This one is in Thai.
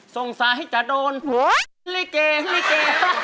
สงสัยจะโดนหลีเก่หลีเก่